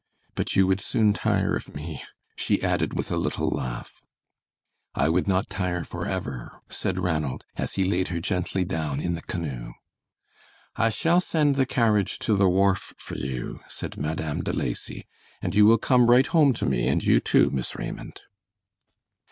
But you would soon tire of me," she added with a little laugh. "I would not tire forever," said Ranald, as he laid her gently down in the canoe. "I shall send the carriage to the wharf for you," said Madame De Lacy, "and you will come right home to me, and you, too, Miss Raymond."